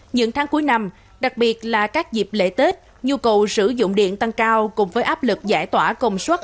những tháng cuối năm đặc biệt là các dịp lễ tết nhu cầu sử dụng điện tăng cao cùng với áp lực giải tỏa công suất